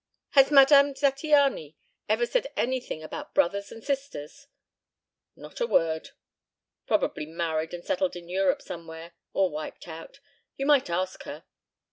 Has Madame Zattiany ever said anything about brothers and sisters?" "Not a word." "Probably married and settled in Europe somewhere, or wiped out. You might ask her."